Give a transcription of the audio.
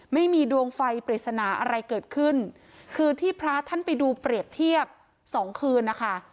ไม่มีดวงไฟปริศนาอะไรเกิดขึ้นคือที่พระท่านไปดูเปรียบเทียบสองคืนนะคะ